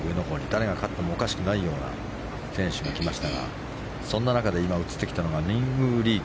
誰が勝ってもおかしくないような選手が来ましたがそんな中で今、映ってきたのがミンウー・リー。